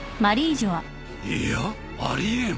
いやあり得ん。